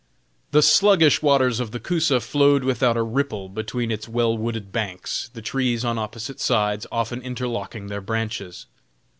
The sluggish waters of the Coosa flowed without a ripple between its well wooded banks, the trees on opposite sides often interlocking their branches.